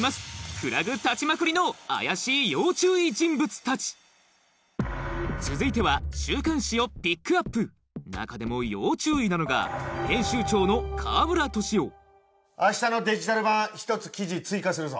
フラグ立ちまくりの怪しい要注意人物たち続いては週刊誌をピックアップ中でも要注意なのが編集長の明日のデジタル版１つ記事追加するぞ。